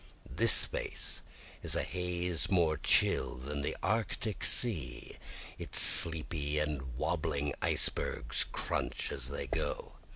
This face is a haze more chill than the arctic sea, Its sleepy and wobbling icebergs crunch as they go.